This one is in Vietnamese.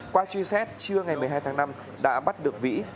qua truy xét trưa ngày một mươi hai tháng năm đã bắt được vĩ